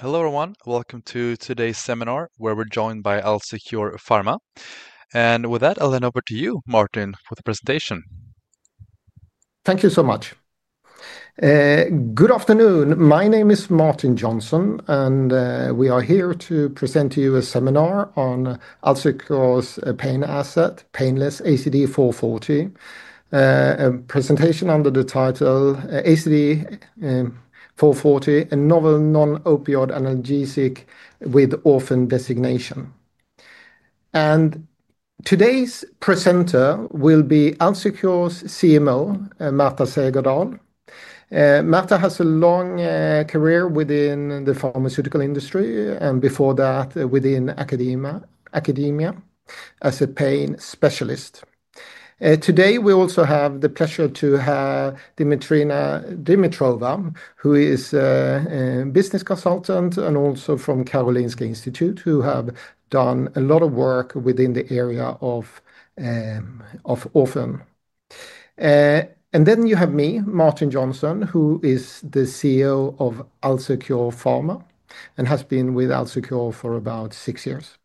Hello everyone, welcome to today's seminar where we're joined by AlzeCure Pharma. I'll hand over to you, Martin, for the presentation. Thank you so much. Good afternoon, my name is Martin Jönsson and we are here to present to you a seminar on AlzeCure's pain asset, Painless ACD 440, a presentation under the title ACD 440: A Novel Non-Opioid Analgesic with Orphan Designation. Today's presenter will be AlzeCure's Chief Medical Officer, Märta Segerdahl. Märta has a long career within the pharmaceutical industry and before that, within academia as a pain specialist. Today we also have the pleasure to have Dimitrina Dimitrova, who is a business consultant and also from Karolinska Institute, who has done a lot of work within the area of orphan. You also have me, Martin Jönsson, who is the CEO of AlzeCure Pharma and has been with AlzeCure for about six years.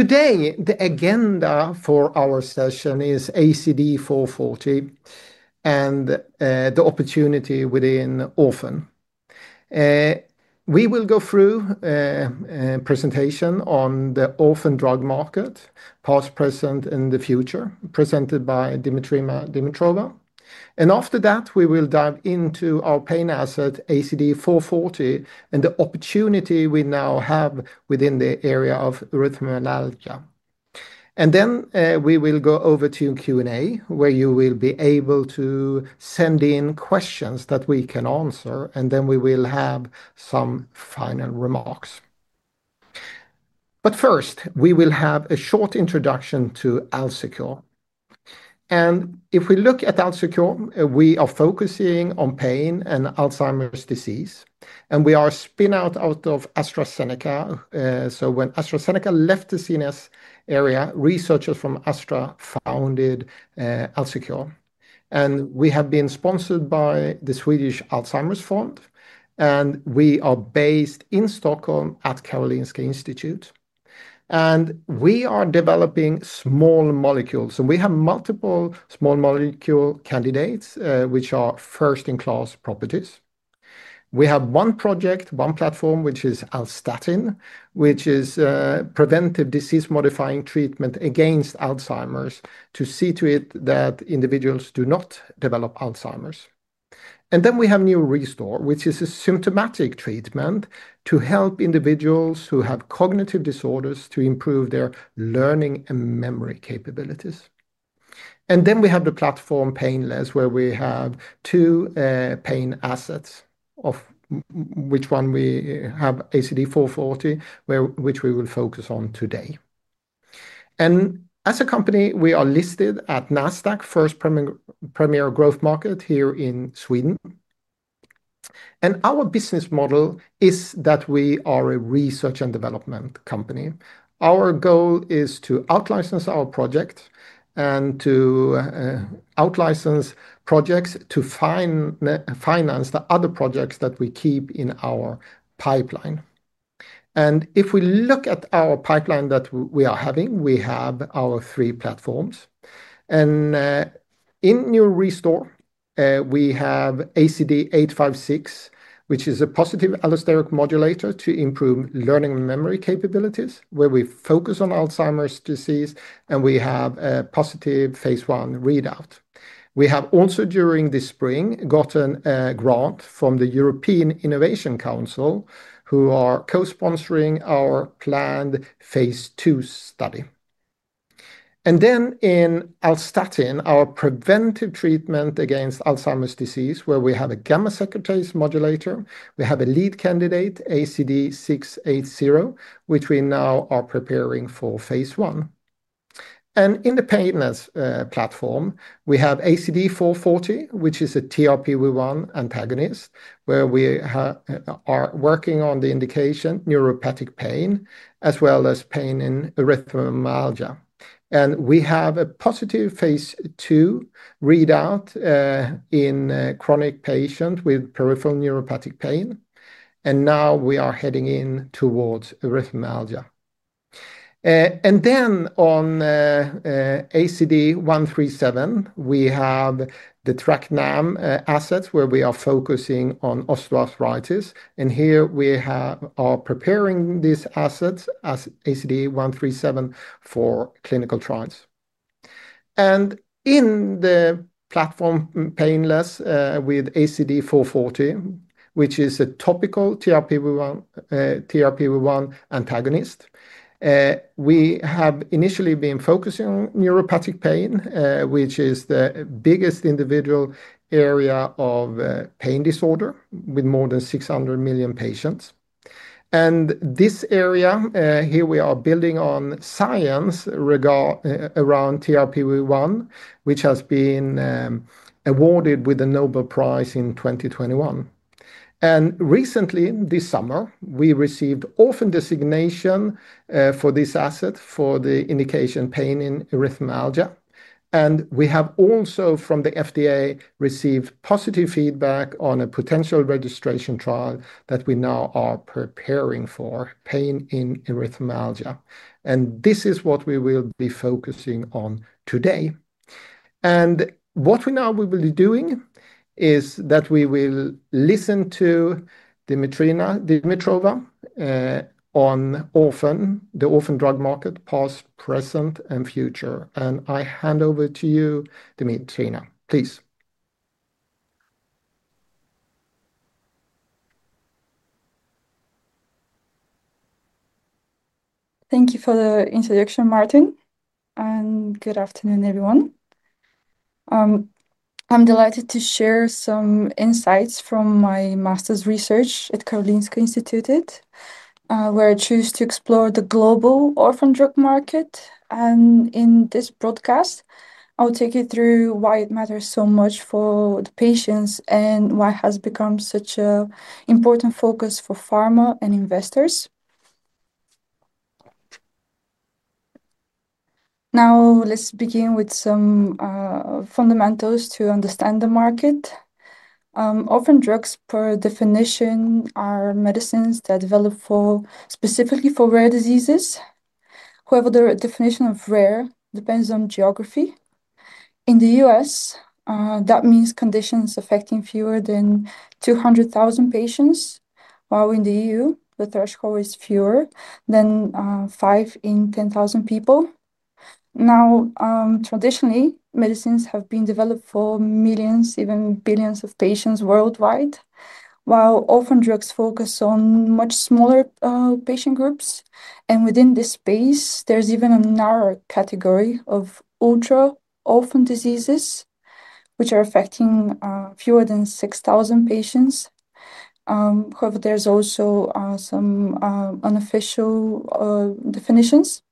Today, the agenda for our session is ACD 440 and the opportunity within orphan. We will go through a presentation on the orphan drug market, past, present, and the future, presented by Dimitrina Dimitrova. After that, we will dive into our pain asset, ACD 440, and the opportunity we now have within the area of erythromelalgia. We will go over to Q&A, where you will be able to send in questions that we can answer, and then we will have some final remarks. First, we will have a short introduction to AlzeCure. If we look at AlzeCure, we are focusing on pain and Alzheimer's disease. We are a spin-out out of AstraZeneca. When AstraZeneca left the CNS area, researchers from Astra founded AlzeCure. We have been sponsored by the Swedish Alzheimer's Fund. We are based in Stockholm at Karolinska Institute. We are developing small molecules. We have multiple small molecule candidates, which are first-in-class properties. We have one project, one platform, which is Alzstatin, which is a preventive disease-modifying treatment against Alzheimer's to see to it that individuals do not develop Alzheimer's. We have NeuroRestore, which is a symptomatic treatment to help individuals who have cognitive disorders to improve their learning and memory capabilities. We have the platform Painless, where we have two pain assets, of which one we have ACD 440, which we will focus on today. As a company, we are listed at Nasdaq First Premier Growth Market here in Sweden. Our business model is that we are a research and development company. Our goal is to out-license our projects and to out-license projects to finance the other projects that we keep in our pipeline. If we look at our pipeline that we are having, we have our three platforms. In NeuroRestore, we have ACD856, which is a positive allosteric modulator to improve learning and memory capabilities, where we focus on Alzheimer's disease, and we have a positive phase I readout. We have also, during this spring, gotten a grant from the European Innovation Council, who are co-sponsoring our planned phase II study. In Alzstatin, our preventive treatment against Alzheimer's disease, where we have a gamma secretase modulator, we have a lead candidate, ACD680, which we now are preparing for phase I. In the Painless platform, we have ACD440, which is a TRPV1 antagonist, where we are working on the indication neuropathic pain, as well as pain in erythromelalgia. We have a positive phase II readout in a chronic patient with peripheral neuropathic pain. Now we are heading in towards erythromelalgia. On ACD137, we have the TrkA-NAM assets, where we are focusing on osteoarthritis. Here we are preparing these assets, ACD137, for clinical trials. In the platform Painless, with ACD440, which is a topical TRPV1 antagonist, we have initially been focusing on neuropathic pain, which is the biggest individual area of pain disorder with more than 600 million patients. In this area, we are building on science around TRPV1, which has been awarded with a Nobel Prize in 2021. Recently, this summer, we received orphan drug designation for this asset for the indication pain in erythromelalgia. We have also, from the FDA, received positive feedback on a potential registration trial that we now are preparing for pain in erythromelalgia. This is what we will be focusing on today. What we now will be doing is that we will listen to Dimitrina Dimitrova on the orphan drug market, past, present, and future. I hand over to you, Dimitrina, please. Thank you for the introduction, Martin. And good afternoon, everyone. I'm delighted to share some insights from my master's research at Karolinska Institute, where I choose to explore the global orphan drug market. In this broadcast, I'll take you through why it matters so much for the patients and why it has become such an important focus for pharma and investors. Now, let's begin with some fundamentals to understand the market. Orphan drugs, per definition, are medicines that develop specifically for rare diseases. However, the definition of rare depends on geography. In the U.S., that means conditions affecting fewer than 200,000 patients, while in the EU, the threshold is fewer than five in 10,000 people. Traditionally, medicines have been developed for millions, even billions of patients worldwide, while orphan drugs focus on much smaller patient groups. Within this space, there's even a narrower category of ultra-orphan diseases, which are affecting fewer than 6,000 patients. However, there's also some unofficial definitions.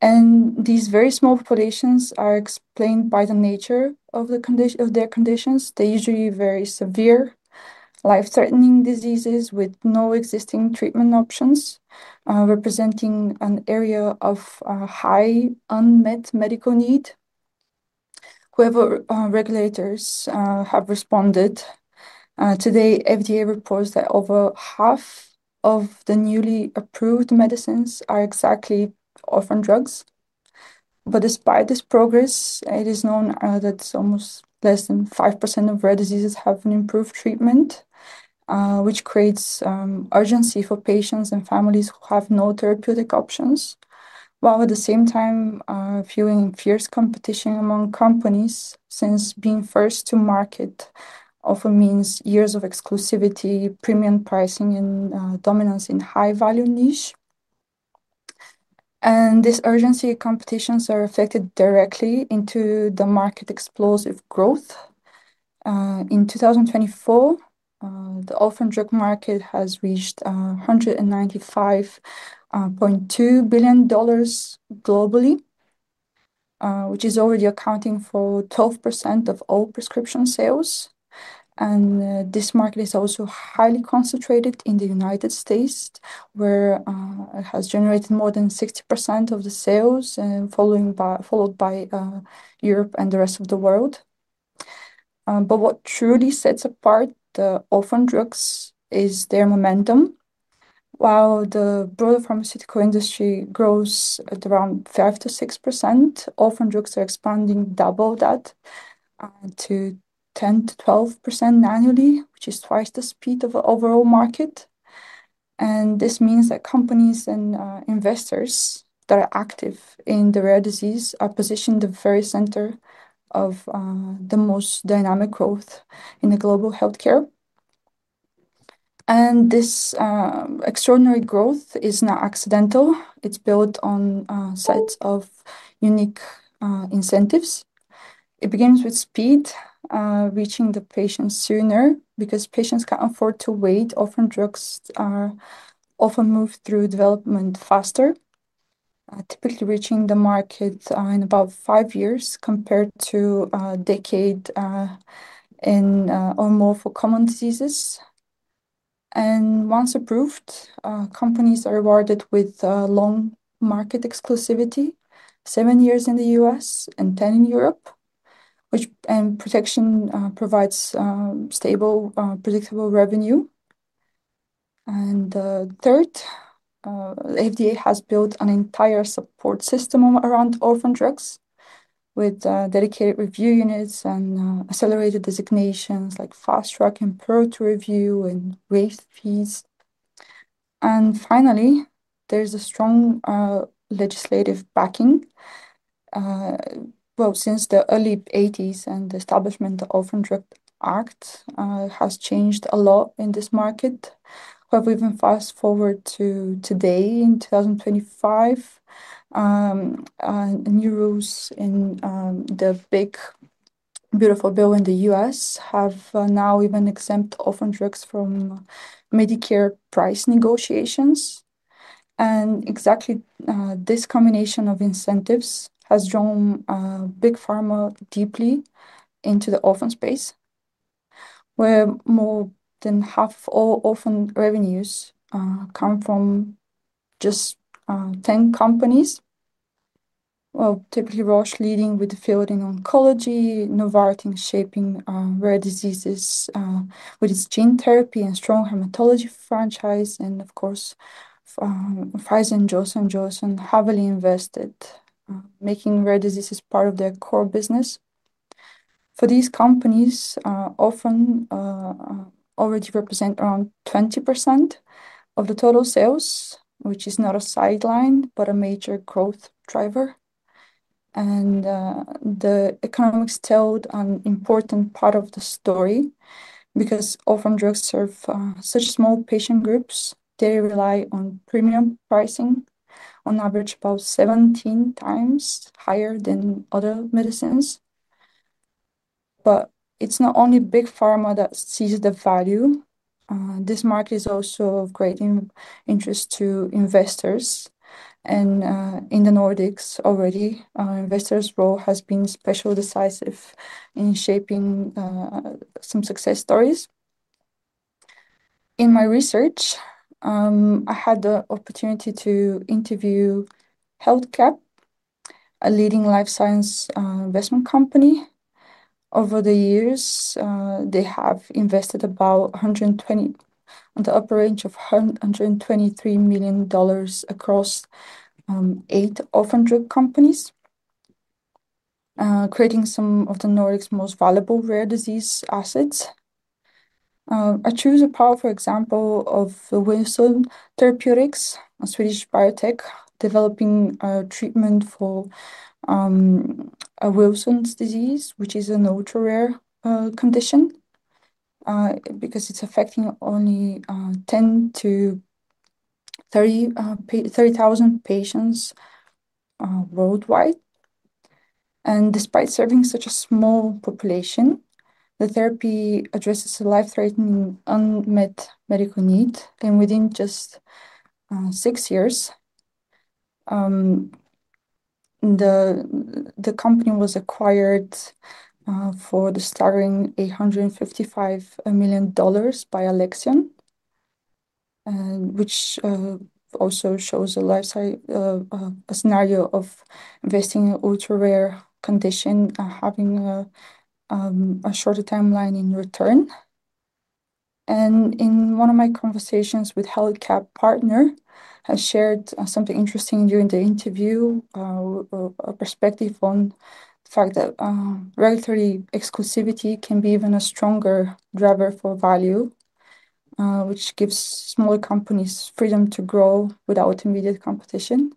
These very small populations are explained by the nature of their conditions. They're usually very severe, life-threatening diseases with no existing treatment options, representing an area of high unmet medical need. However, regulators have responded. Today, FDA reports that over half of the newly approved medicines are exactly orphan drugs. Despite this progress, it is known that it's almost less than 5% of rare diseases have an improved treatment, which creates urgency for patients and families who have no therapeutic options. While at the same time, fueling fierce competition among companies since being first to market often means years of exclusivity, premium pricing, and dominance in a high-value niche. This urgency, competitions are reflected directly into the market explosive growth. In 2024, the orphan drug market has reached $195.2 billion globally, which is already accounting for 12% of all prescription sales. This market is also highly concentrated in the United States, where it has generated more than 60% of the sales, followed by Europe and the rest of the world. What truly sets apart the orphan drugs is their momentum. While the broader pharmaceutical industry grows at around 5% to 6%, orphan drugs are expanding double that to 10%-12% annually, which is twice the speed of the overall market. This means that companies and investors that are active in the rare disease are positioned at the very center of the most dynamic growth in global healthcare. This extraordinary growth is not accidental. It's built on sites of unique incentives. It begins with speed, reaching the patients sooner because patients can't afford to wait. Orphan drugs are often moved through development faster, typically reaching the market in about five years compared to a decade or more for common diseases. Once approved, companies are rewarded with long market exclusivity, seven years in the U.S. and 10 in Europe, and protection provides stable, predictable revenue. Third, the FDA has built an entire support system around orphan drugs with dedicated review units and accelerated designations like fast track and priority review and raised fees. Finally, there's a strong legislative backing. Since the early 1980s and the establishment of the Orphan Drug Act, a lot has changed in this market. We can fast forward to today in 2025. New rules in the Big Beautiful Bill in the U.S. have now even exempt orphan drugs from Medicare price negotiations. Exactly this combination of incentives has drawn big pharma deeply into the orphan space, where more than half of all orphan revenues come from just 10 companies. Typically, Roche leading with fielding oncology, Novartis shaping rare diseases with its gene therapy and strong hematology franchise, and of course, Pfizer, and Johnson & Johnson have invested, making rare diseases part of their core business. For these companies, orphan already represents around 20% of the total sales, which is not a sideline but a major growth driver. The economics tell an important part of the story because orphan drugs serve such small patient groups. They rely on premium pricing, on average about 17 times higher than other medicines. It's not only big pharma that sees the value. This market is also of great interest to investors. In the Nordics already, investors' role has been especially decisive in shaping some success stories. In my research, I had the opportunity to interview HealthCap, a leading life science investment company. Over the years, they have invested about $120 million, on the upper range of $123 million across eight orphan drug companies, creating some of the Nordics' most valuable rare disease assets. I choose a powerful example of Wilson Therapeutics, a Swedish biotech developing a treatment for Wilson's disease, which is an ultra-rare condition because it's affecting only 10,000-30,000 patients worldwide. Despite serving such a small population, the therapy addresses a life-threatening unmet medical need. Within just six years, the company was acquired for the staggering $855 million by Alexion, which also shows a life-size scenario of investing in an ultra-rare condition and having a shorter timeline in return. In one of my conversations with a HealthCap partner, I shared something interesting during the interview, a perspective on the fact that regulatory exclusivity can be an even stronger driver for value, which gives smaller companies freedom to grow without immediate competition.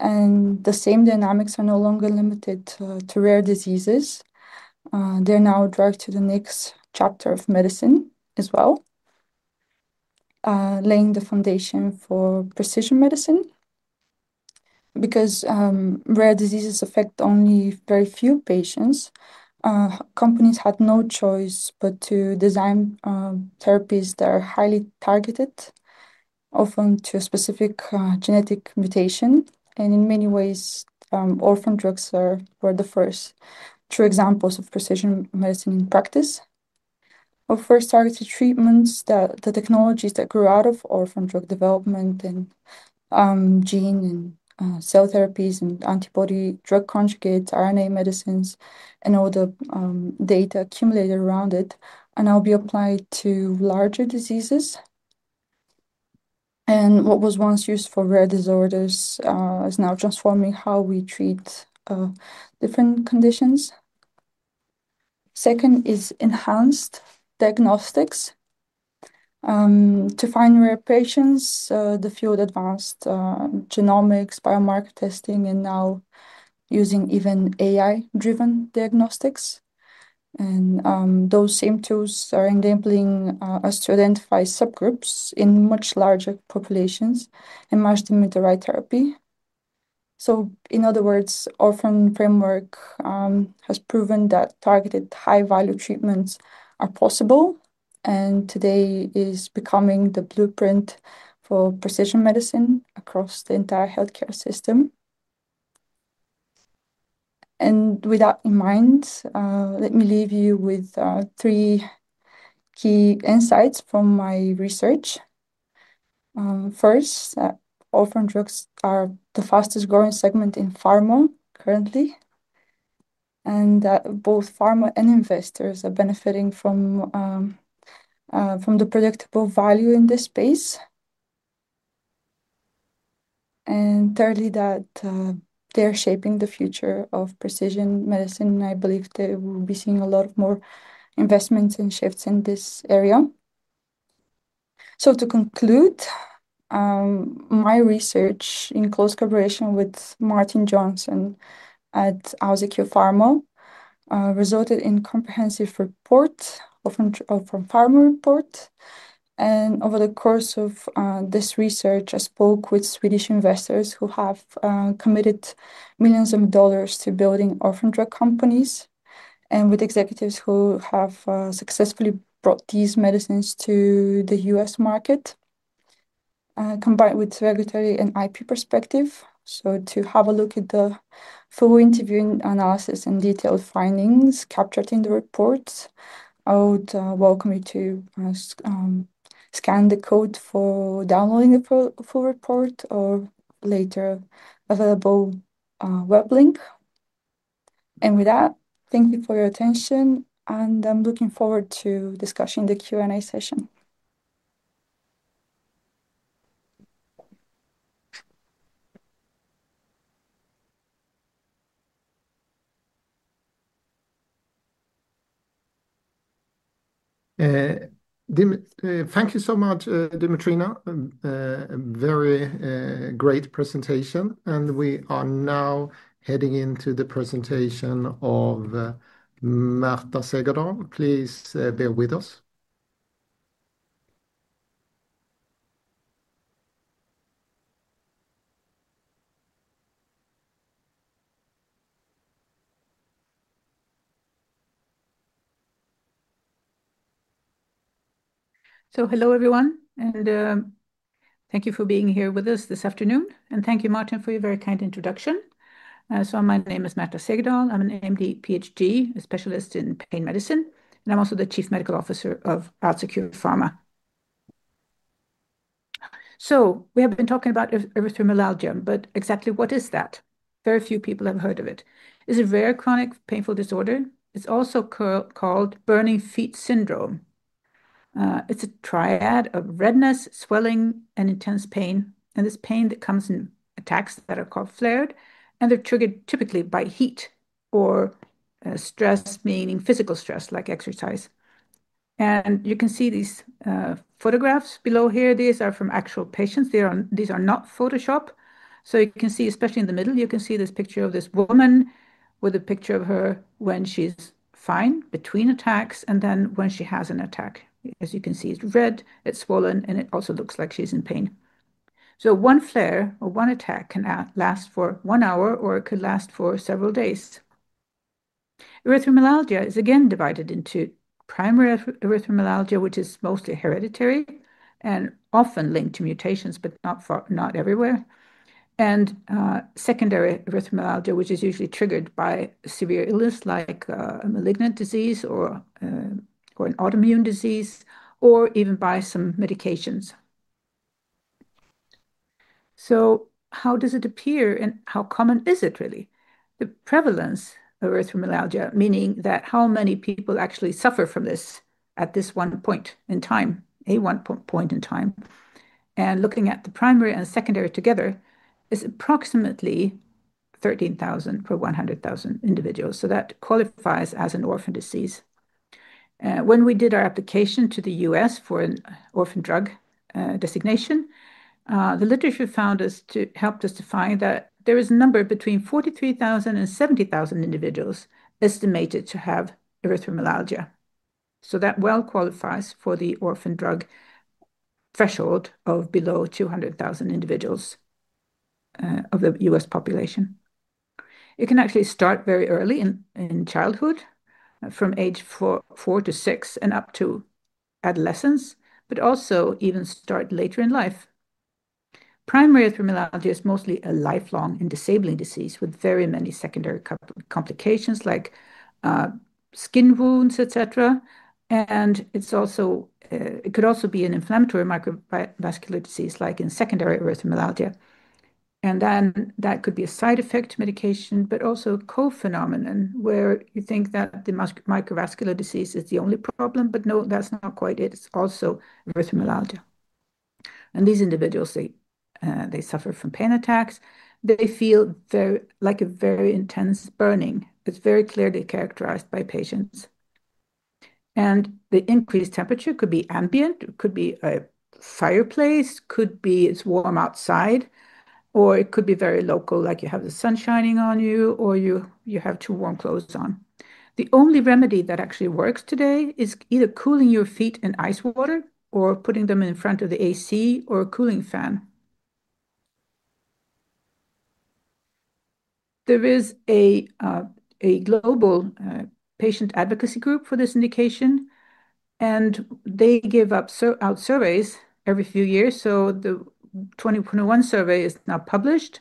The same dynamics are no longer limited to rare diseases. They are now driving the next chapter of medicine as well, laying the foundation for precision medicine. Because rare diseases affect only very few patients, companies had no choice but to design therapies that are highly targeted, often to a specific genetic mutation. In many ways, orphan drugs were the first true examples of precision medicine in practice. Our first targeted treatments, the technologies that grew out of orphan drug development and gene and cell therapies and antibody drug conjugates, RNA medicines, and all the data accumulated around it are now being applied to larger diseases. What was once used for rare disorders is now transforming how we treat different conditions. Second is enhanced diagnostics. To find rare patients, the field advanced genomics, biomarker testing, and now using even AI-driven diagnostics. Those same tools are enabling us to identify subgroups in much larger populations and match them with the right therapy. In other words, the orphan framework has proven that targeted high-value treatments are possible and today is becoming the blueprint for precision medicine across the entire healthcare system. With that in mind, let me leave you with three key insights from my research. First, orphan drugs are the fastest-growing segment in pharma currently, and both pharma and investors are benefiting from the predictable value in this space. Thirdly, they are shaping the future of precision medicine. I believe we will be seeing a lot more investments and shifts in this area. To conclude, my research in close collaboration with Martin Jönsson at AlzeCure Pharma resulted in comprehensive reports from pharma reports. Over the course of this research, I spoke with Swedish investors who have committed millions of dollars to building orphan drug companies and with executives who have successfully brought these medicines to the U.S. market, combined with regulatory and IP perspective. To have a look at the full interview analysis and detailed findings captured in the reports, I would welcome you to scan the code for downloading the full report or later available web link. Thank you for your attention, and I'm looking forward to discussing the Q&A session. Thank you so much, Dimitrina. A very great presentation. We are now heading into the presentation of Märta Segerdahl. Please bear with us. Hello, everyone, and thank you for being here with us this afternoon. Thank you, Martin, for your very kind introduction. My name is Märta Segerdahl. I'm an MD PhD, a specialist in pain medicine, and I'm also the Chief Medical Officer of AlzeCure Pharma. We have been talking about erythromelalgia, but exactly what is that? Very few people have heard of it. It's a rare, chronic, painful disorder. It's also called burning feet syndrome. It's a triad of redness, swelling, and intense pain. This pain comes in attacks that are called flares, and they're triggered typically by heat or stress, meaning physical stress like exercise. You can see these photographs below here. These are from actual patients. These are not Photoshopped. You can see, especially in the middle, this picture of this woman with a picture of her when she's fine between attacks and then when she has an attack. As you can see, it's red, it's swollen, and it also looks like she's in pain. One flare or one attack can last for one hour or it could last for several days. Erythromelalgia is again divided into primary erythromelalgia, which is mostly hereditary and often linked to mutations, but not everywhere, and secondary erythromelalgia, which is usually triggered by severe illness like a malignant disease or an autoimmune disease or even by some medications. How does it appear and how common is it really? The prevalence of erythromelalgia, meaning how many people actually suffer from this at one point in time, looking at the primary and secondary together, is approximately 13,000 per 100,000 individuals. That qualifies as an orphan disease. When we did our application to the U.S. for an orphan drug designation, the literature helped us to find that there is a number between 43,000 and 70,000 individuals estimated to have erythromelalgia. That well qualifies for the orphan drug threshold of below 200,000 individuals of the U.S. population. It can actually start very early in childhood, from age four to six and up to adolescence, but also even start later in life. Primary erythromelalgia is mostly a lifelong and disabling disease with very many secondary complications like skin wounds, etc. It could also be an inflammatory microvascular disease like in secondary erythromelalgia. That could be a side effect to medication, but also a co-phenomenon where you think that the microvascular disease is the only problem, but no, that's not quite it. It's also erythromelalgia. These individuals suffer from pain attacks. They feel a very intense burning. It's very clearly characterized by patients. The increased temperature could be ambient, it could be a fireplace, it could be it's warm outside, or it could be very local, like you have the sun shining on you or you have too warm clothes on. The only remedy that actually works today is either cooling your feet in ice water or putting them in front of the AC or a cooling fan. There is a global patient advocacy group for this indication, and they give out surveys every few years. The 2021 survey is now published.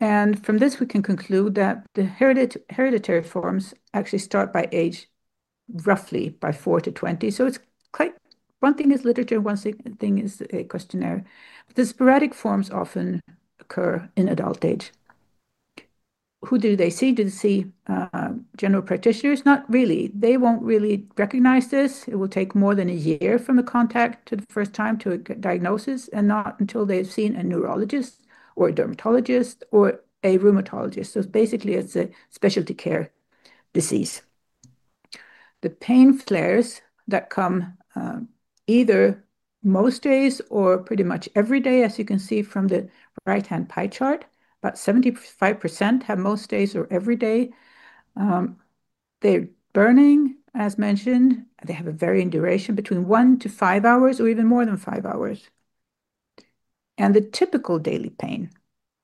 From this, we can conclude that the hereditary forms actually start by age, roughly by four to 20. One thing is literature, one thing is a questionnaire. The sporadic forms often occur in adult age. Who do they see? Do they see general practitioners? Not really. They won't really recognize this. It will take more than a year from a contact for the first time to a diagnosis and not until they've seen a neurologist or a dermatologist or a rheumatologist. Basically, it's a specialty care disease. The pain flares come either most days or pretty much every day. As you can see from the right-hand pie chart, about 75% have most days or every day. They're burning, as mentioned. They have a varying duration between one to five hours or even more than five hours. The typical daily pain,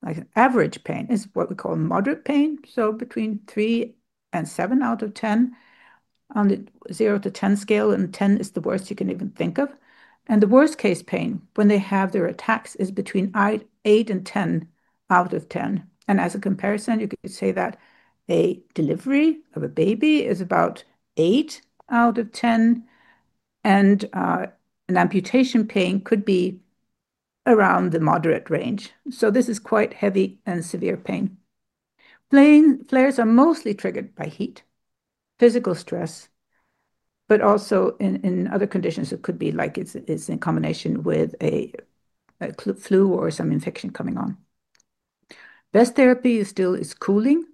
like an average pain, is what we call moderate pain, so between three and seven out of ten on the zero to ten scale, and ten is the worst you can even think of. The worst-case pain when they have their attacks is between eight and ten out of ten. As a comparison, you could say that a delivery of a baby is about eight out of ten, and an amputation pain could be around the moderate range. This is quite heavy and severe pain. Flares are mostly triggered by heat, physical stress, but also in other conditions. It could be like it's in combination with a flu or some infection coming on. Best therapy still is cooling,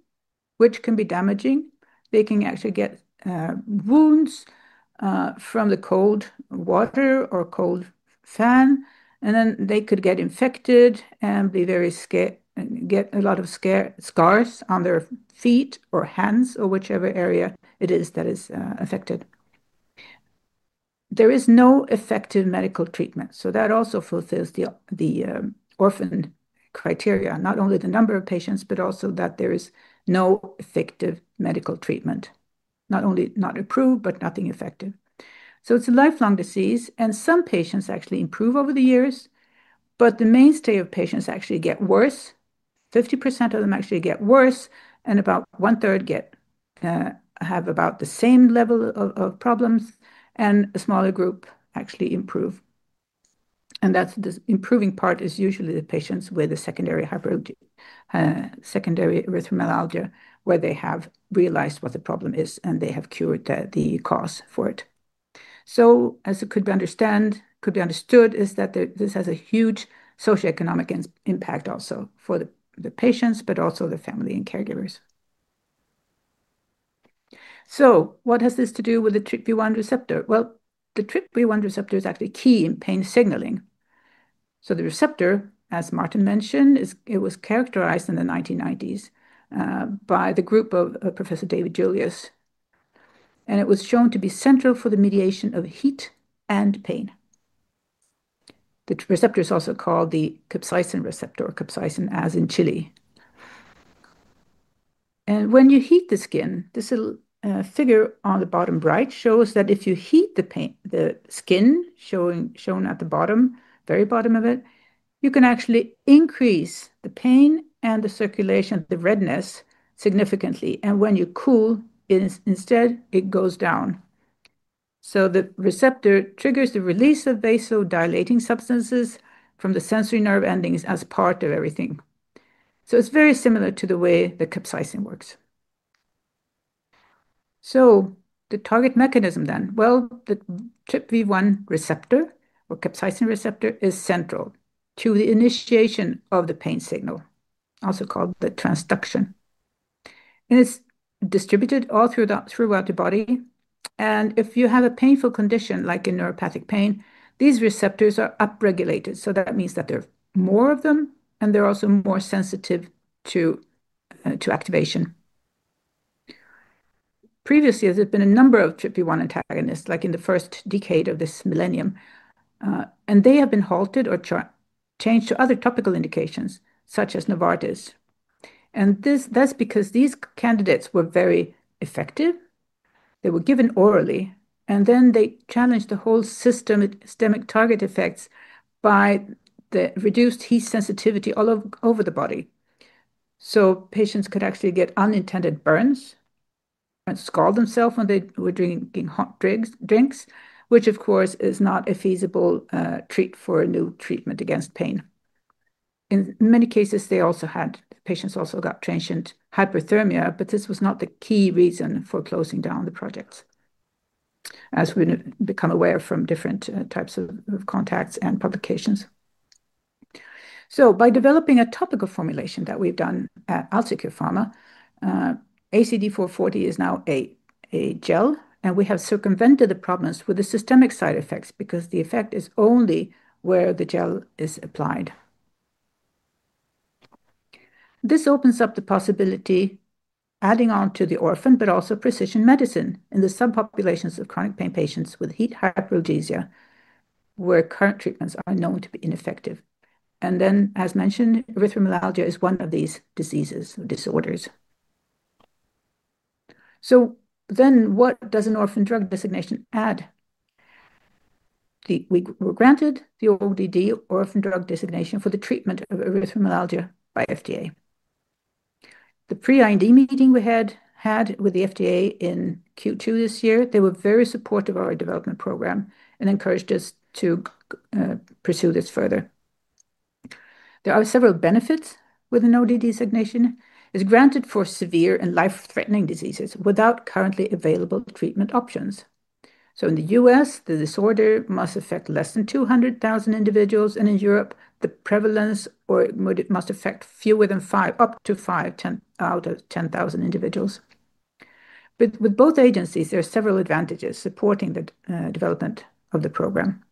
which can be damaging. They can actually get wounds from the cold water or cold fan, and then they could get infected and be very scared, get a lot of scars on their feet or hands or whichever area it is that is affected. There is no effective medical treatment. That also fulfills the orphan criteria, not only the number of patients, but also that there is no effective medical treatment, not only not approved, but nothing effective. It's a lifelong disease, and some patients actually improve over the years, but the mainstay of patients actually get worse. 50% of them actually get worse, and about one-third have about the same level of problems, and a smaller group actually improve. The improving part is usually the patients with the secondary erythromelalgia, where they have realized what the problem is and they have cured the cause for it. As it could be understood, this has a huge socioeconomic impact also for the patients, but also the family and caregivers. What has this to do with the TRPV1 receptor? The TRPV1 receptor is actually key in pain signaling. The receptor, as Martin mentioned, was characterized in the 1990s by the group of Professor David Julius, and it was shown to be central for the mediation of heat and pain. The receptor is also called the capsaicin receptor, capsaicin as in chili. When you heat the skin, this little figure on the bottom right shows that if you heat the skin, shown at the bottom, very bottom of it, you can actually increase the pain and the circulation, the redness significantly. When you cool it instead, it goes down. The receptor triggers the release of vasodilating substances from the sensory nerve endings as part of everything. It's very similar to the way the capsaicin works. The target mechanism then, the TRPV1 receptor or capsaicin receptor is central to the initiation of the pain signal, also called the transduction. It's distributed all throughout the body. If you have a painful condition like a neuropathic pain, these receptors are upregulated. That means that there are more of them, and they're also more sensitive to activation. Previously, there's been a number of TRPV1 antagonists, like in the first decade of this millennium, and they have been halted or changed to other topical indications, such as Novartis. That's because these candidates were very effective. They were given orally, and then they challenged the whole systemic target effects by the reduced heat sensitivity all over the body. Patients could actually get unintended burns and scald themselves when they were drinking hot drinks, which of course is not a feasible trait for a new treatment against pain. In many cases, patients also got transient hyperthermia, but this was not the key reason for closing down the projects, as we've become aware from different types of contacts and publications. By developing a topical formulation that we've done at AlzeCure Pharma, ACD 440 is now a gel, and we have circumvented the problems with the systemic side effects because the effect is only where the gel is applied. This opens up the possibility of adding on to the orphan, but also precision medicine in the subpopulations of chronic pain patients with heat hyperalgesia, where current treatments are known to be ineffective. As mentioned, erythromelalgia is one of these diseases, disorders. What does an orphan drug designation add? We were granted the orphan drug designation for the treatment of erythromelalgia by the FDA. The pre-IND meeting we had with the FDA in Q2 this year, they were very supportive of our development program and encouraged us to pursue this further. There are several benefits with an orphan drug designation. It's granted for severe and life-threatening diseases without currently available treatment options. In the U.S., the disorder must affect less than 200,000 individuals, and in Europe, the prevalence must affect fewer than five, up to five out of 10,000 individuals. With both agencies, there are several advantages supporting the development of the program.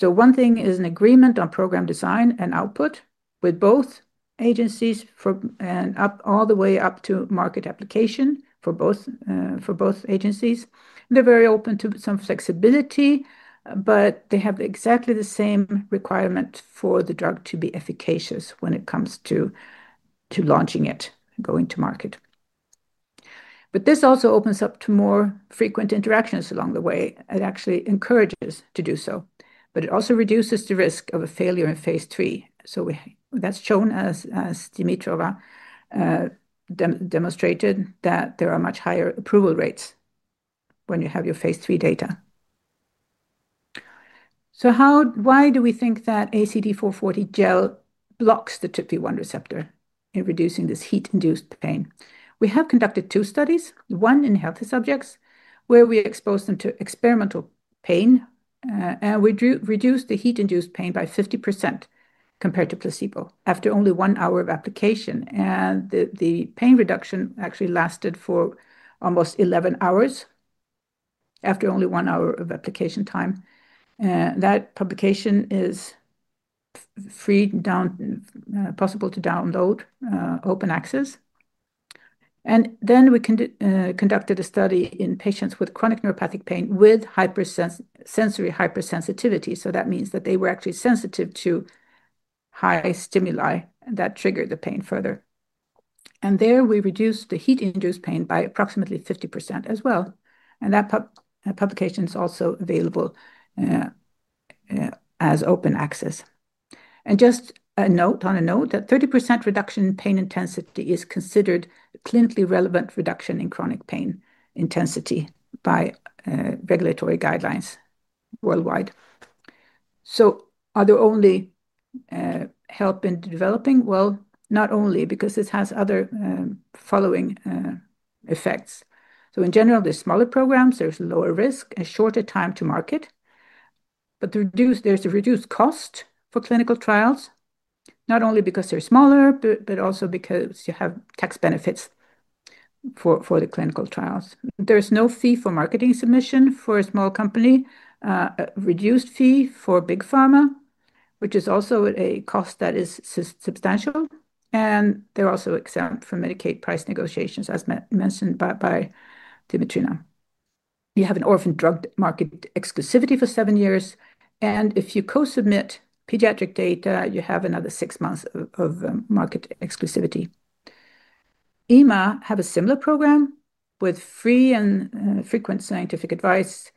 One thing is an agreement on program design and output with both agencies and all the way up to market application for both agencies. They're very open to some flexibility, but they have exactly the same requirement for the drug to be efficacious when it comes to launching it and going to market. This also opens up to more frequent interactions along the way. It actually encourages to do so, but it also reduces the risk of a failure in phase III. That's shown as Dimitrina Dimitrova demonstrated that there are much higher approval rates when you have your phase III data. Why do we think that ACD 440 gel blocks the TRPV1 receptor in reducing this heat-induced pain? We have conducted two studies, one in healthy subjects where we exposed them to experimental pain, and we reduced the heat-induced pain by 50% compared to placebo after only one hour of application. The pain reduction actually lasted for almost 11 hours after only one hour of application time. That publication is free and possible to download, open access. We conducted a study in patients with chronic neuropathic pain with sensory hypersensitivity. That means that they were actually sensitive to high stimuli that triggered the pain further. There we reduced the heat-induced pain by approximately 50% as well. That publication is also available as open access. Just a note that 30% reduction in pain intensity is considered a clinically relevant reduction in chronic pain intensity by regulatory guidelines worldwide. Are there only help in developing? Not only because this has other following effects. In general, the smaller programs have lower risk and shorter time to market. There is a reduced cost for clinical trials, not only because they're smaller, but also because you have tax benefits for the clinical trials. There is no fee for marketing submission for a small company, a reduced fee for big pharma, which is also a cost that is substantial. They are also exempt from Medicaid price negotiations, as mentioned by Dimitrina. You have an orphan drug market exclusivity for seven years. If you co-submit pediatric data, you have another six months of market exclusivity. EMA has a similar program with free and frequent scientific advice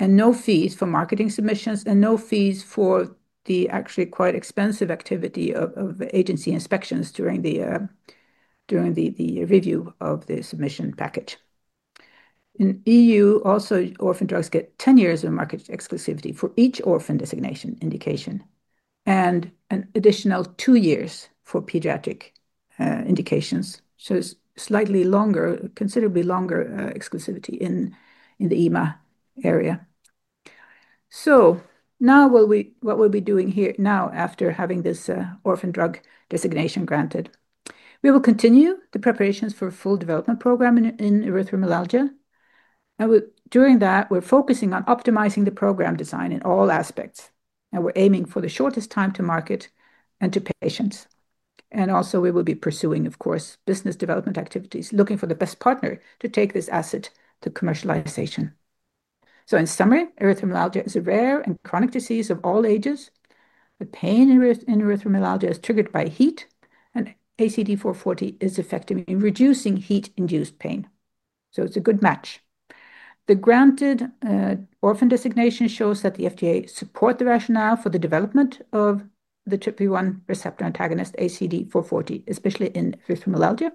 and no fees for marketing submissions and no fees for the actually quite expensive activity of agency inspections during the review of the submission packet. In the EU, orphan drugs get 10 years of market exclusivity for each orphan designation indication and an additional two years for pediatric indications. There is slightly longer, considerably longer exclusivity in the EMA area. Now what we'll be doing here after having this orphan drug designation granted, we will continue the preparations for a full development program in erythromelalgia. During that, we're focusing on optimizing the program design in all aspects. We're aiming for the shortest time to market and to patients. We will be pursuing, of course, business development activities, looking for the best partner to take this asset to commercialization. In summary, erythromelalgia is a rare and chronic disease of all ages. The pain in erythromelalgia is triggered by heat, and ACD 440 is effective in reducing heat-induced pain. It's a good match. The granted orphan designation shows that the FDA supports the rationale for the development of the TRPV1 antagonist ACD 440, especially in erythromelalgia.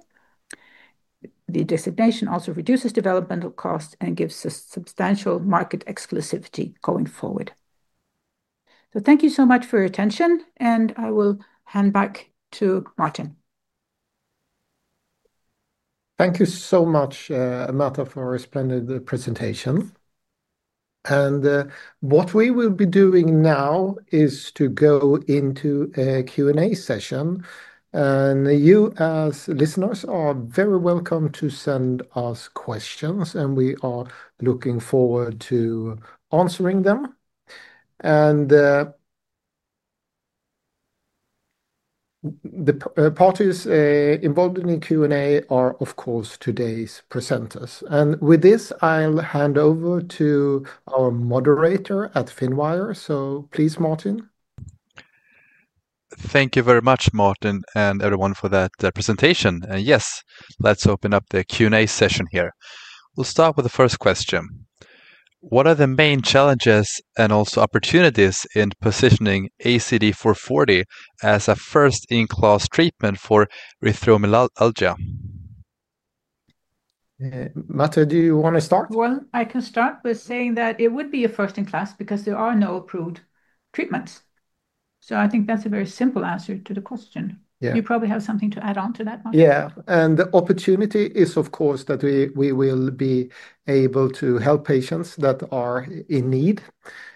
The designation also reduces developmental costs and gives us substantial market exclusivity going forward. Thank you so much for your attention, and I will hand back to Martin. Thank you so much, Märta, for a splendid presentation. What we will be doing now is to go into a Q&A session. You, as listeners, are very welcome to send us questions, and we are looking forward to answering them. The parties involved in the Q&A are, of course, today's presenters. With this, I'll hand over to our moderator at Finwire. Please, Martin. Thank you very much, Martin, and everyone, for that presentation. Yes, let's open up the Q&A session here. We'll start with the first question. What are the main challenges and also opportunities in positioning ACD 440 as a first-in-class treatment for erythromelalgia? Märta, do you want to start? I can start with saying that it would be a first-in-class because there are no approved treatments. I think that's a very simple answer to the question. You probably have something to add on to that, Martin. Yeah, the opportunity is, of course, that we will be able to help patients that are in need.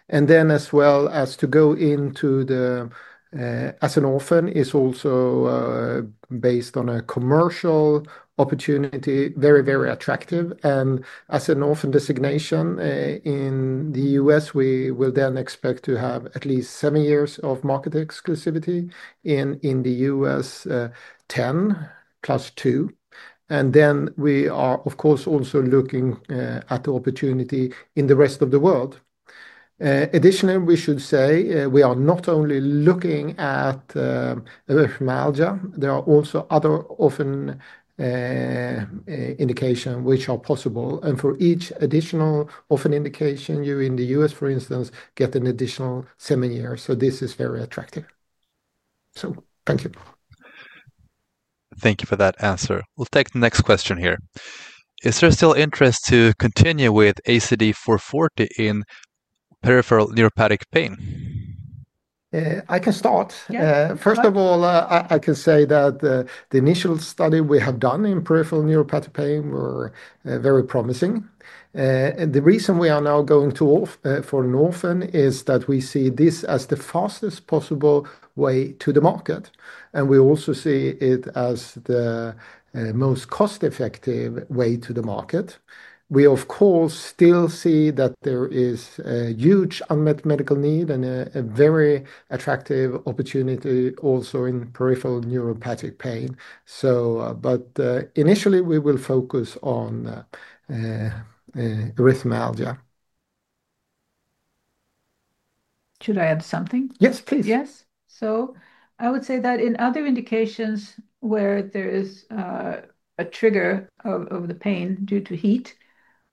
As well as to go into the, as an orphan, is also based on a commercial opportunity, very, very attractive. As an orphan designation in the U.S., we will then expect to have at least seven years of market exclusivity. In the EU, 10 plus two. We are, of course, also looking at the opportunity in the rest of the world. Additionally, we should say we are not only looking at erythromelalgia, there are also other orphan indications which are possible. For each additional orphan indication, you in the U.S., for instance, get an additional seven years. This is very attractive. Thank you. Thank you for that answer. We'll take the next question here. Is there still interest to continue with ACD 440 in peripheral neuropathic pain? I can start. First of all, I can say that the initial study we have done in peripheral neuropathic pain was very promising. The reason we are now going for an orphan is that we see this as the fastest possible way to the market. We also see it as the most cost-effective way to the market. We, of course, still see that there is a huge unmet medical need and a very attractive opportunity also in peripheral neuropathic pain. Initially, we will focus on erythromelalgia. Should I add something? Yes, please. Yes. I would say that in other indications where there is a trigger of the pain due to heat,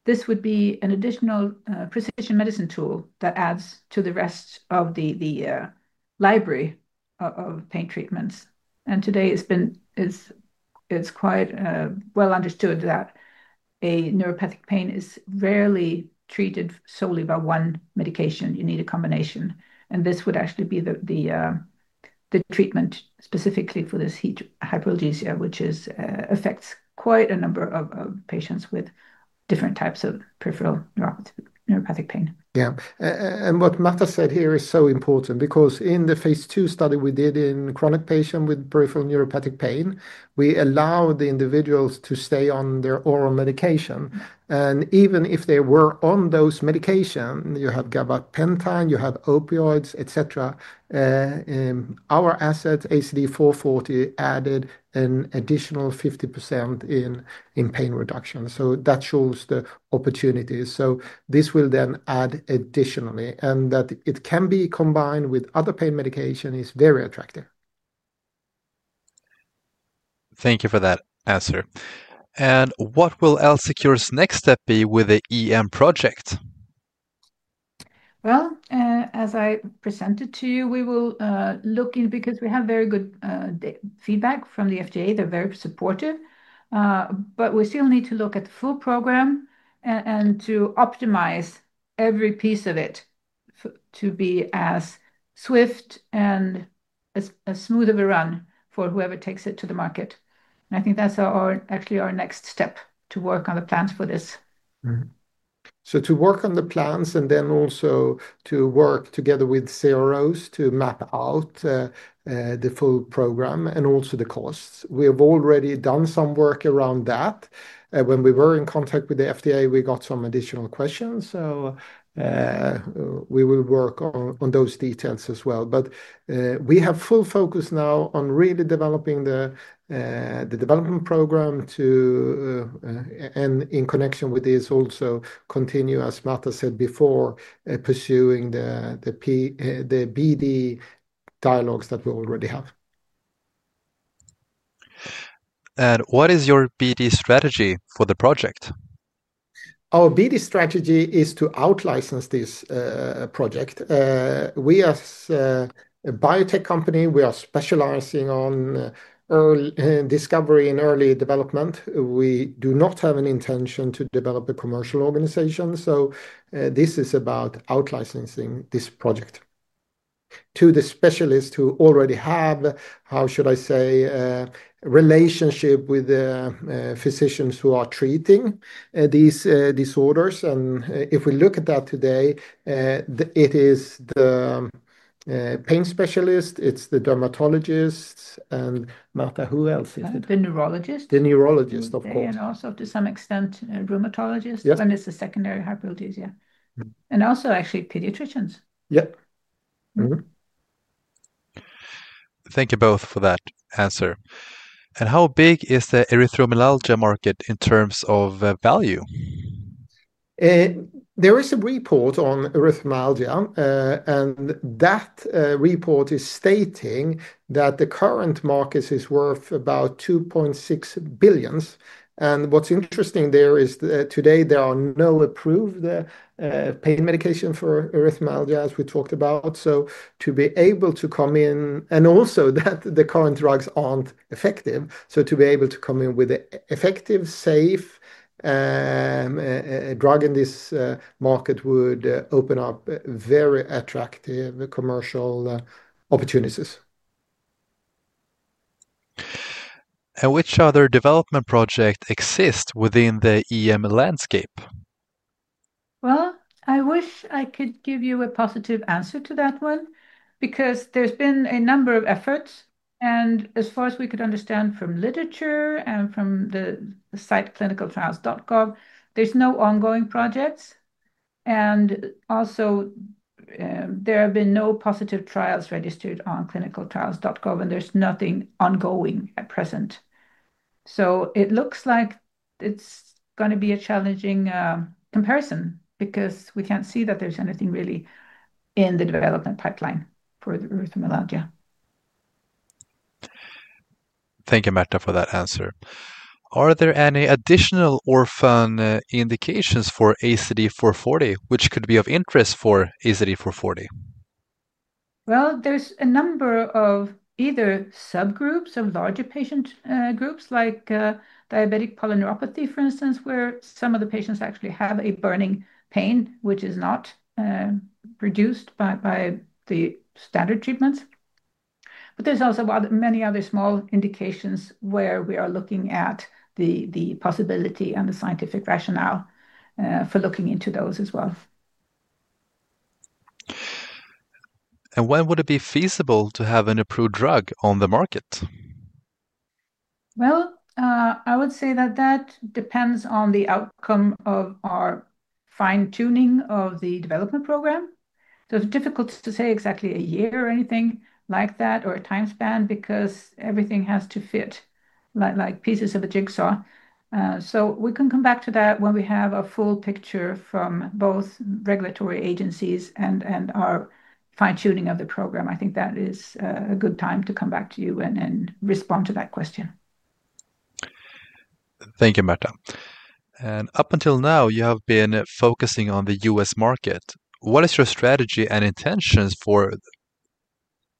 this would be an additional precision medicine tool that adds to the rest of the library of pain treatments. Today, it's quite well understood that neuropathic pain is rarely treated solely by one medication. You need a combination, and this would actually be the treatment specifically for this heat hyperalgesia, which affects quite a number of patients with different types of peripheral neuropathic pain. Yeah. What Märta said here is so important because in the phase II study we did in chronic patients with peripheral neuropathic pain, we allowed the individuals to stay on their oral medication. Even if they were on those medications, you have gabapentin, you have opioids, etc., our assets, ACD 440, added an additional 50% in pain reduction. That shows the opportunities. This will then add additionally. That it can be combined with other pain medications is very attractive. Thank you for that answer. What will AlzeCure Pharma's next step be with the EM project? As I presented to you, we will look in because we have very good feedback from the FDA. They're very supportive. We still need to look at the full program and to optimize every piece of it to be as swift and as smooth of a run for whoever takes it to the market. I think that's actually our next step to work on the plans for this. To work on the plans and then also to work together with CROs to map out the full program and also the costs, we have already done some work around that. When we were in contact with the FDA, we got some additional questions. We will work on those details as well. We have full focus now on really developing the development program, and in connection with this, also continue, as Märta said before, pursuing the BD dialogues that we already have. What is your BD strategy for the project? Our BD strategy is to out-license this project. We are a biotech company. We are specializing in discovery and early development. We do not have an intention to develop a commercial organization. This is about out-licensing this project to the specialists who already have, how should I say, a relationship with the physicians who are treating these disorders. If we look at that today, it is the pain specialist, it's the dermatologists, and Märta, who else is it? The neurologist. The Neurologist, of course. To some extent, rheumatologists, and it's a secondary hyperalgesia. Also, actually, pediatricians. Yep. Thank you both for that answer. How big is the erythromelalgia market in terms of value? There is a report on erythromelalgia, and that report is stating that the current market is worth about $2.6 billion. What's interesting there is that today there are no approved pain medications for erythromelalgia, as we talked about. To be able to come in, and also that the current drugs aren't effective, to be able to come in with an effective, safe drug in this market would open up very attractive commercial opportunities. Which other development projects exist within the EM landscape? I wish I could give you a positive answer to that one because there's been a number of efforts. As far as we could understand from literature and from the site clinicaltrials.gov, there's no ongoing projects. Also, there have been no positive trials registered on clinicaltrials.gov, and there's nothing ongoing at present. It looks like it's going to be a challenging comparison because we can't see that there's anything really in the development pipeline for erythromelalgia. Thank you, Märta, for that answer. Are there any additional orphan indications for ACD 440, which could be of interest for ACD 440? There is a number of either subgroups or larger patient groups, like diabetic polyneuropathy, for instance, where some of the patients actually have a burning pain, which is not reduced by the standard treatments. There are also many other small indications where we are looking at the possibility and the scientific rationale for looking into those as well. When would it be feasible to have an approved drug on the market? I would say that depends on the outcome of our fine-tuning of the development program. It's difficult to say exactly a year or anything like that or a time span because everything has to fit like pieces of a jigsaw. We can come back to that when we have a full picture from both regulatory agencies and our fine-tuning of the program. I think that is a good time to come back to you and respond to that question. Thank you, Märta. Up until now, you have been focusing on the U.S. market. What is your strategy and intentions for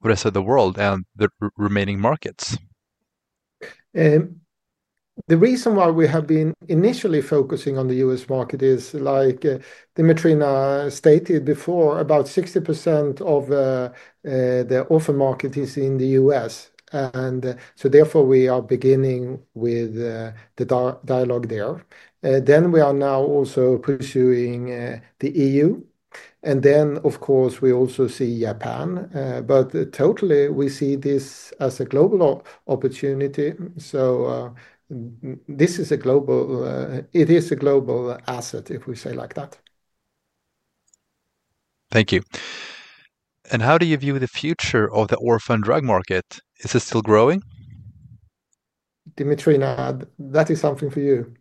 the rest of the world and the remaining markets? The reason why we have been initially focusing on the U.S. market is, like Dimitrina stated before, about 60% of the orphan market is in the U.S. Therefore, we are beginning with the dialogue there. We are now also pursuing the EU, and of course, we also see Japan. Totally, we see this as a global opportunity. This is a global asset, if we say like that. Thank you. How do you view the future of the orphan drug market? Is it still growing? Dimitrina, that is something for you.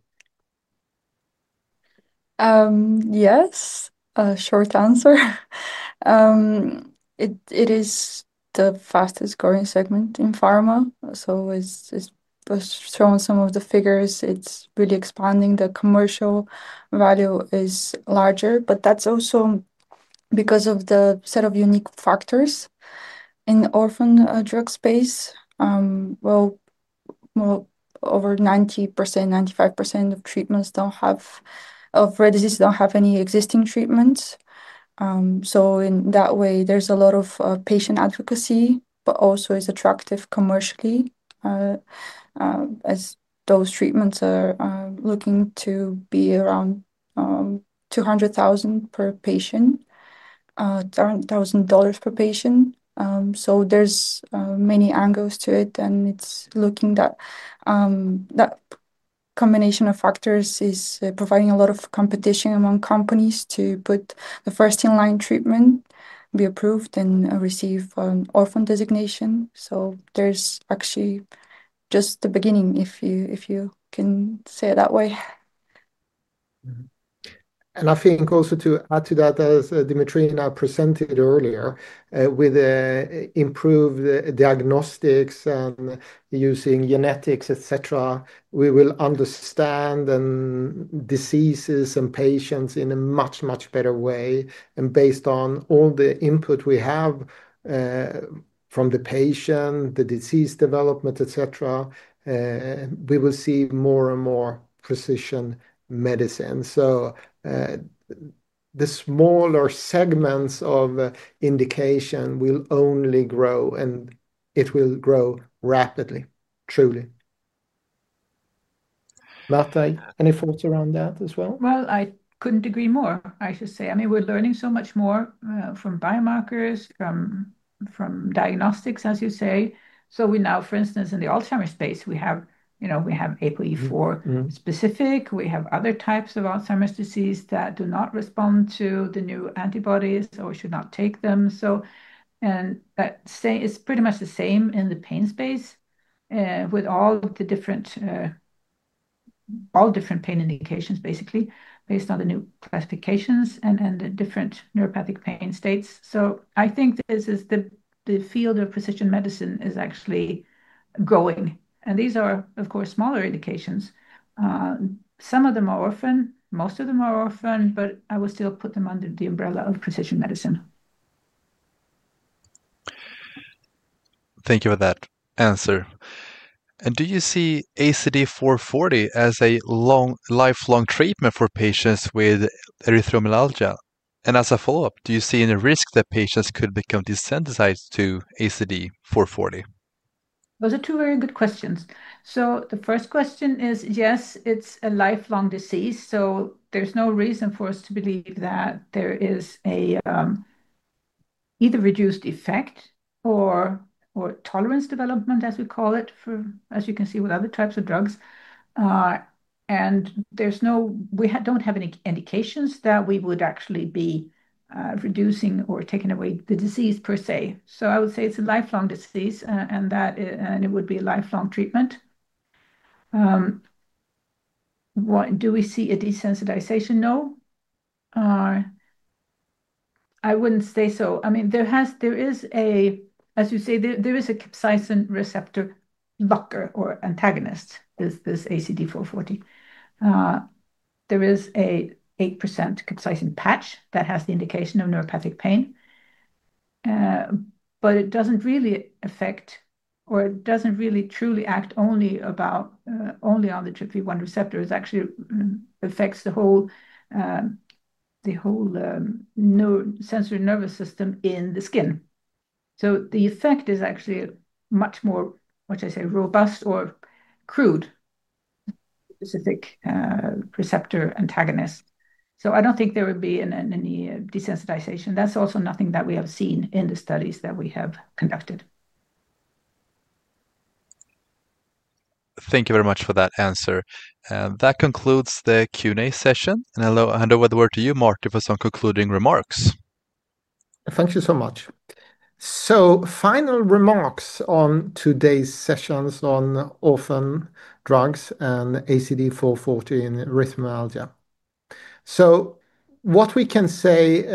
Yes, a short answer. It is the fastest growing segment in pharma. As I've shown in some of the figures, it's really expanding. The commercial value is larger, but that's also because of the set of unique factors in the orphan drug space. Over 90%, 95% of rare diseases don't have any existing treatments. In that way, there's a lot of patient advocacy, but also it's attractive commercially. As those treatments are looking to be around $200,000 per patient, $1,000 per patient. There's many angles to it, and looking at that combination of factors is providing a lot of competition among companies to put the first-in-line treatment, be approved, and receive an orphan drug designation. There's actually just the beginning, if you can say it that way. I think also to add to that, as Dimitrina Dimitrova presented earlier, with improved diagnostics and using genetics, etc., we will understand diseases and patients in a much, much better way. Based on all the input we have from the patient, the disease development, etc., we will see more and more precision medicine. The smaller segments of indication will only grow, and it will grow rapidly, truly. Märta, any thoughts around that as well? I couldn't agree more, I should say. I mean, we're learning so much more from biomarkers, from diagnostics, as you say. We now, for instance, in the Alzheimer's space, have APOE4 specific. We have other types of Alzheimer's disease that do not respond to the new antibodies or should not take them. It's pretty much the same in the pain space with all the different pain indications, basically, based on the new classifications and the different neuropathic pain states. I think the field of precision medicine is actually growing. These are, of course, smaller indications. Some of them are orphan, most of them are orphan, but I will still put them under the umbrella of precision medicine. Thank you for that answer. Do you see ACD 440 as a lifelong treatment for patients with erythromelalgia? As a follow-up, do you see any risk that patients could become desensitized to ACD 440? Those are two very good questions. The first question is, yes, it's a lifelong disease. There's no reason for us to believe that there is either reduced effect or tolerance development, as we call it, as you can see with other types of drugs. We don't have any indications that we would actually be reducing or taking away the disease per se. I would say it's a lifelong disease, and it would be a lifelong treatment. Do we see a desensitization? No, I wouldn't say so. I mean, as you say, there is a capsaicin receptor blocker or antagonist, this ACD 440. There is an 8% capsaicin patch that has the indication of neuropathic pain, but it doesn't really affect or it doesn't really truly act only on the TRPV1 receptor. It actually affects the whole sensory nervous system in the skin. The effect is actually much more, much, I say, robust or crude. It's a TRPV1 receptor antagonist. I don't think there would be any desensitization. That's also nothing that we have seen in the studies that we have conducted. Thank you very much for that answer. That concludes the Q&A session. I'll hand over the word to you, Martin, for some concluding remarks. Thank you so much. Final remarks on today's sessions on orphan drugs and ACD 440 and erythromelalgia. What we can say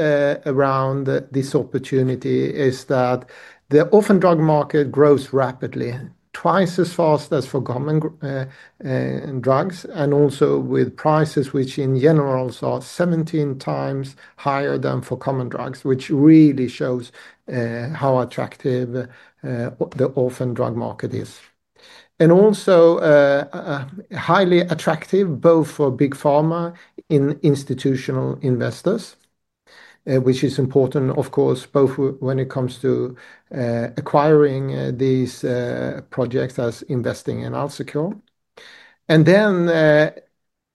around this opportunity is that the orphan drug market grows rapidly, twice as fast as for common drugs, and also with prices which in general are 17 times higher than for common drugs, which really shows how attractive the orphan drug market is. It is also highly attractive both for big pharma and institutional investors, which is important, of course, both when it comes to acquiring these projects as investing in AlzeCure.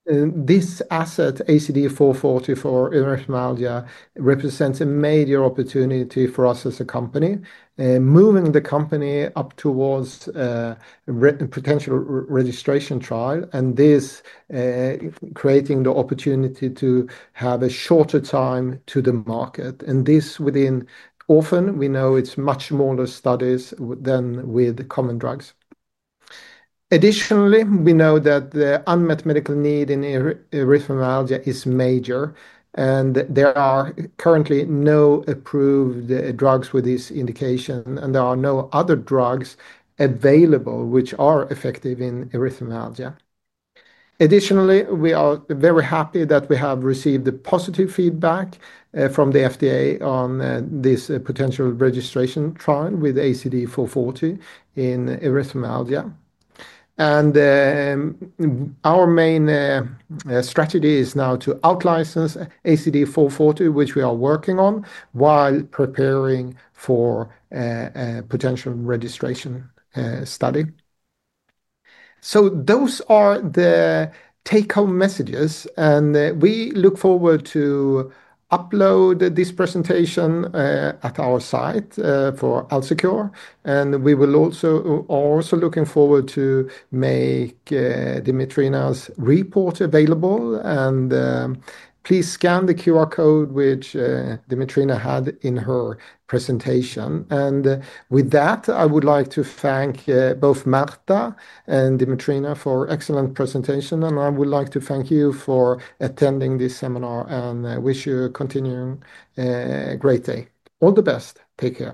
This asset, ACD 440, for erythromelalgia, represents a major opportunity for us as a company, moving the company up towards a potential registration trial, and this creating the opportunity to have a shorter time to the market. Within orphan, we know it's much smaller studies than with common drugs. Additionally, we know that the unmet medical need in erythromelalgia is major, and there are currently no approved drugs with this indication, and there are no other drugs available which are effective in erythromelalgia. We are very happy that we have received positive feedback from the FDA on this potential registration trial with ACD 440 in erythromelalgia. Our main strategy is now to out-license ACD 440, which we are working on, while preparing for a potential registration study. Those are the take-home messages, and we look forward to uploading this presentation at our site for AlzeCure. We are also looking forward to make Dimitrina's report available. Please scan the QR code, which Dimitrina had in her presentation. With that, I would like to thank both Märta and Dimitrina for an excellent presentation. I would like to thank you for attending this seminar and wish you a great day. All the best. Take care.